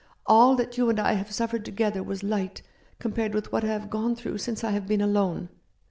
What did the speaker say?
All that you and I have suffered together was light compared with what I have gone through since I have been alone.